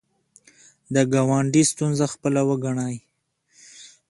د ګاونډي ستونزه خپله وګڼئ